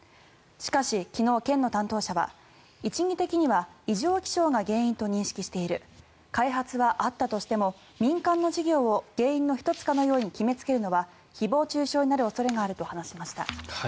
しかし、昨日、県の担当者は一義的には異常気象が原因と認識している開発はあったとしても民間の事業を原因の１つかのように決めつけるのは誹謗・中傷の対象の恐れになると発言しました。